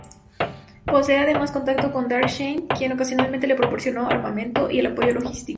Posee además contactos con Darkseid, quien ocasionalmente le proporciona armamento y apoyo logístico.